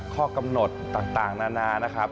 ข้อกำหนดต่างนานานะครับ